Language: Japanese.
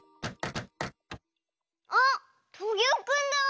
あっトゲオくんだ！